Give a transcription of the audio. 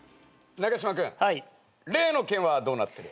中嶋君例の件はどうなってる？